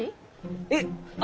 えっ？あ。